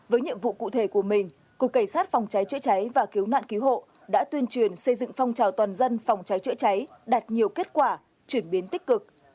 với nhiệm vụ cụ thể của mình cục cảnh sát phòng trái trợi trái và kiếm mạng cứu hộ đã tuyên truyền xây dựng phong trào toàn dân phòng trái trợi trái đạt nhiều kết quả chuyển biến tích cực